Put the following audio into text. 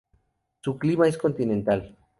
Su clima es continental.